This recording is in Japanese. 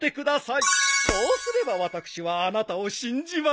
そうすれば私はあなたを信じましょう。